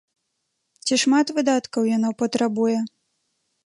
Ці шмат выдаткаў яно патрабуе?